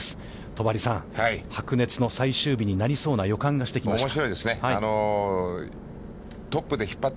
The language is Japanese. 戸張さん、白熱の最終日になりそうな予感がしてきました。